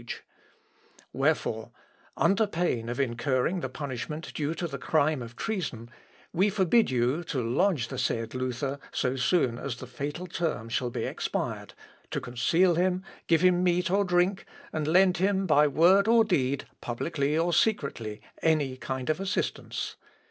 ] "Wherefore, under pain of incurring the punishment due to the crime of treason, we forbid you to lodge the said Luther so soon as the fatal term shall be expired, to conceal him, give him meat or drink, and lend him, by word or deed, publicly or secretly, any kind of assistance.